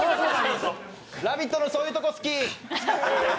「ラヴィット！」のそういうとこ好き。